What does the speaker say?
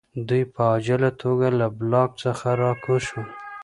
دوی په عاجله توګه له بلاک څخه راکوز شول